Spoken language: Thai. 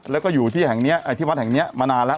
แล้วก็อยู่ที่แห่งนี้ที่วัดแห่งนี้มานานแล้ว